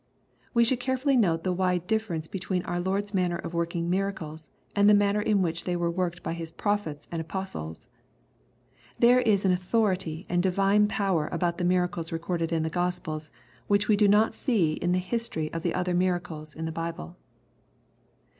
] We should carefully note the wide dif ference between our Lord's manner of working miracles, and the manner in which they were worked by His prophets and apostles. There is an authority and divine power about the miracles record ed in the Gospels, which we do not see m the history of the other miracles in the Bible.